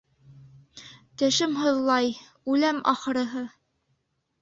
Тешем һыҙлай, үләм, ахырыһы...